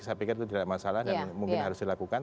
saya pikir itu tidak masalah dan mungkin harus dilakukan